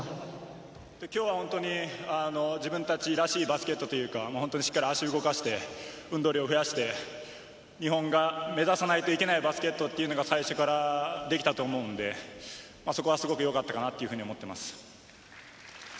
今日は自分たちらしいバスケットというか、しっかり足を動かして運動量を増やして、日本が目指さないといけないバスケットが最初からできたと思うんで、そこはすごくよかったかなと思っています。